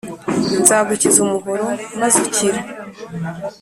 Nzagukiza umuhoro maze ukire